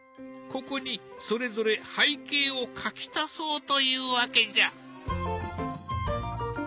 ここにそれぞれ背景を描き足そうというわけじゃ！